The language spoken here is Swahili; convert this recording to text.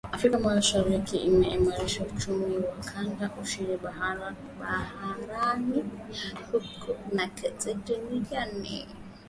Afrika ya Mashariki kutaimarisha uchumi wa kikanda na ushindani barani huko na kote duniani